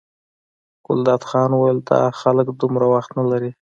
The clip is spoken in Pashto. ګلداد خان وویل دا خلک دومره وخت نه لري.